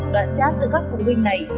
đoạn chat giữa các phụ huynh này